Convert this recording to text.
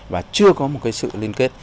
và chưa có một sự liên kết